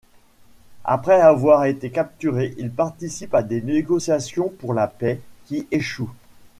Après avoir été capturé, il participe à des négociations pour la paix, qui échouent.